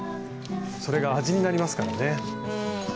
それが味になりますからね。